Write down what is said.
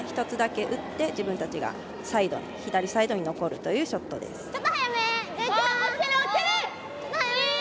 １つだけ打って自分たちが左サイドに残るというショットです。